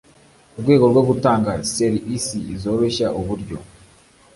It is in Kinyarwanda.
rwego rwo gutanga ser isi zoroshya uburyo